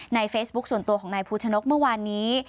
ในเฟสบุ๊คส่วนตัวของนายภูชนกรักไทยเมื่อวานนี้